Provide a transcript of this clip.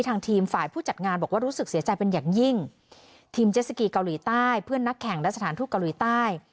ทางทีมฝ่ายผู้จัดงานบอกว่ารู้สึกเสียใจเป็นอย่างยิ่งทีมเจสสกีเกาหลีใต้เพื่อนนักแข่งและสถานทูตเกาหลีใต้